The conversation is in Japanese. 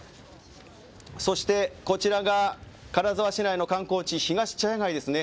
そしてこちらが金沢市内の観光地ひがし茶屋街ですね。